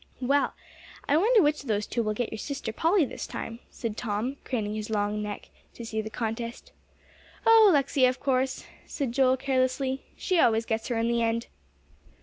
"Well, I wonder which of those two will get your sister, Polly, this time," said Tom, craning his long neck to see the contest. "Oh, Alexia, of course," said Joel carelessly; "she always gets her in the end."